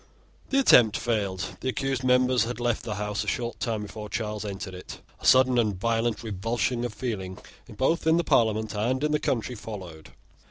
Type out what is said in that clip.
The attempt failed. The accused members had left the House a short time before Charles entered it. A sudden and violent revulsion of feeling, both in the Parliament and in the country, followed.